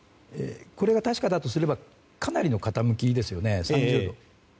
これが確かだとすればかなりの傾きです。